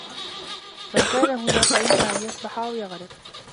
من كان هنا، فإمّا أن يسبح أو يغرق.